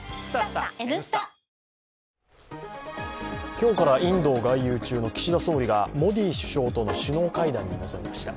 今日からインドを外遊中の岸田総理がモディ首相との首脳会談に臨みました。